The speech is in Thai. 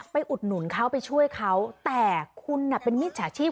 อุดหนุนเขาไปช่วยเขาแต่คุณเป็นมิจฉาชีพ